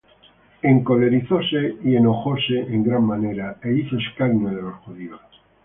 Encolerizóse y enojóse en gran manera, é hizo escarnio de los Judíos.